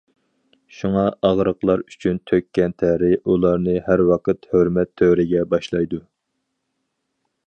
شۇڭا ئاغرىقلار ئۈچۈن تۆككەن تەرى ئۇلارنى ھەر ۋاقىت ھۆرمەت تۆرىگە باشلايدۇ.